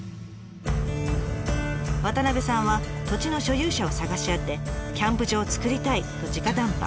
渡部さんは土地の所有者を探し当てキャンプ場をつくりたい！と直談判。